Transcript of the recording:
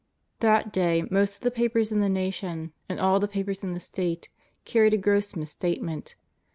That day most of the papers in the nation, and all the papers in the state, carried a gross misstatement.